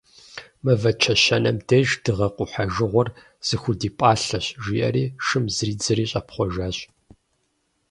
«Мывэ чэщанэм деж дыгъэ къухьэжыгъуэр зыхудипӏалъэщ», жиӏэри, шым зридзыри щӏэпхъуэжащ.